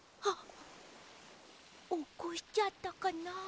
あっおこしちゃったかな。